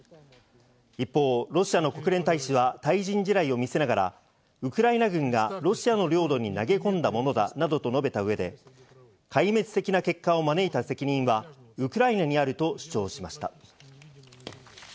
一方、ロシアの国連大使は対人地雷を見せながらウクライナ軍がロシアの領土に投げ込んだものだなどと述べた上で、壊滅的な結果を招いた責任はウクライナにあると主張しました。